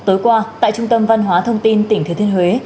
tối qua tại trung tâm văn hóa thông tin tỉnh thừa thiên huế